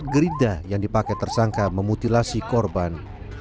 barang bukti utama alat gerida yang dipakai tersangka memutilasi korban